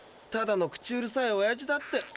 ただの口うるさいおやじだって。